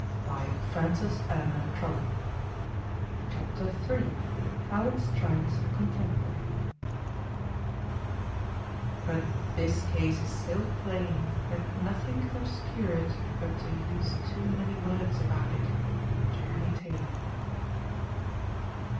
BY FRANCES ELEANOR TROLLOPE. HOW IT STRIKES A CONTEMPORARY, Bat this case is so plain ... that nothing can obscure it, but to use too many words about it.— Jeremy Taylor.